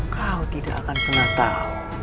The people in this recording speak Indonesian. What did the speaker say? kau tidak akan pernah tahu